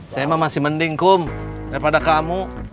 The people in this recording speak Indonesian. saya emang masih mending kum daripada kamu